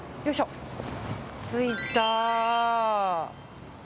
着いた。